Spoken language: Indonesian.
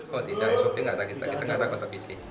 kalau tidak kita tidak takut